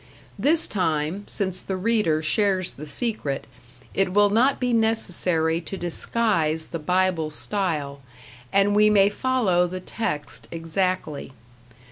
This time, since the reader shares the secret, it will not be necessary to disguise the Bible style, and we may follow the text exactly.